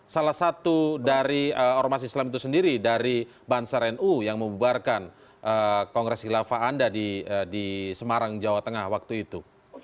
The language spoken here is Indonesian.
salah satu dari ormas islam itu sendiri dari bansar nu yang membubarkan kongres khilafah anda di semarang jawa tengah waktu itu